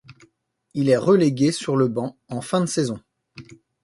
Il est relégué sur le banc en fin de saison.